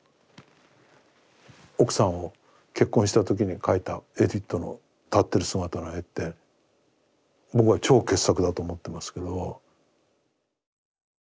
奥さんを結婚した時に描いたエディットの立ってる姿の絵って僕は超傑作だと思ってますけど。